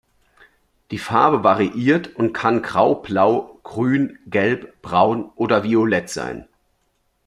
Die Farbe variiert und kann Graublau, Grün, Gelb, Braun oder Violett sein.